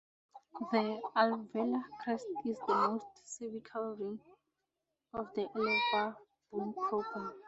The alveolar crest is the most cervical rim of the alveolar bone proper.